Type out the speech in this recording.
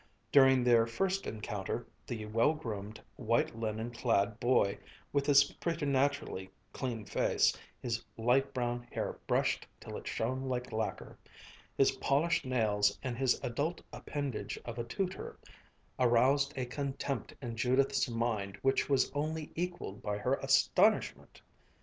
During their first encounter, the well groomed, white linen clad boy with his preternaturally clean face, his light brown hair brushed till it shone like lacquer, his polished nails and his adult appendage of a tutor, aroused a contempt in Judith's mind which was only equaled by her astonishment.